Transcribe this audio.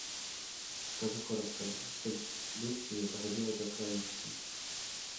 Скажу коротко, что бедствие доходило до крайности.